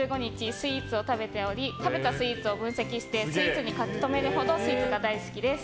スイーツを食べており食べたスイーツを分析してノートに書き留めているほどスイーツが大好きです。